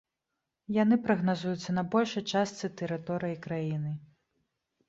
Яны прагназуюцца на большай частцы тэрыторыі краіны.